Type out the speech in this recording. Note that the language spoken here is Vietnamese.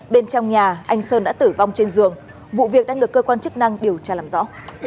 bên trong nhà anh sơn đã tử vong trên giường vụ việc đang được cơ quan chức năng điều tra làm rõ